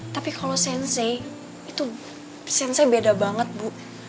tapi kalau sensei itu sensei beda banget bu